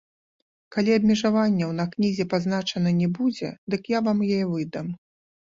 Калі абмежаванняў на кнізе пазначана не будзе, дык я вам яе выдам.